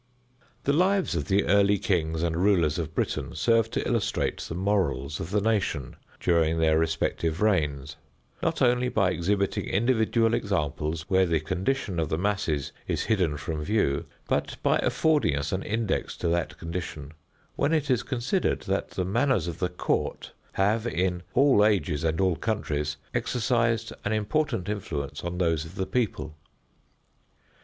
The lives of the early kings and rulers of Britain serve to illustrate the morals of the nation during their respective reigns, not only by exhibiting individual examples where the condition of the masses is hidden from view, but by affording us an index to that condition when it is considered that the manners of the court have, in all ages and all countries, exercised an important influence on those of the people.